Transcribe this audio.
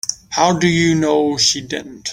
How do you know she didn't?